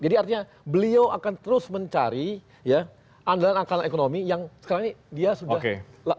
jadi artinya beliau akan terus mencari ya andalan andalan ekonomi yang sekarang ini dia sudah